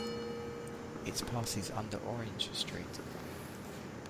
It passes under Orange Street.